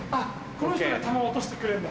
この人が球を落としてくれるんだ。